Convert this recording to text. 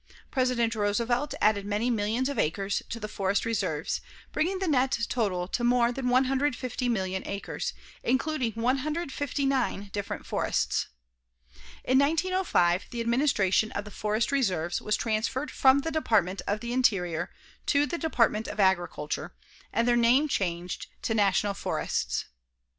President Roosevelt added many millions of acres to the forest reserves, bringing the net total to more than 150,000,000 acres, including 159 different forests. In 1905, the administration of the forest reserves was transferred from the Department of the Interior to the Department of Agriculture, and their name changed to National Forests.